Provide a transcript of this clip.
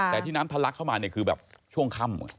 แต่ที่น้ำทะลักเข้ามาเนี่ยคือแบบช่วงค่ำ